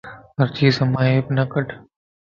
ھر چيز مان عيب نه ڪڍ